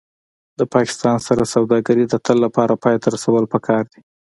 د پاکستان سره سوداګري د تل لپاره پای ته رسول پکار دي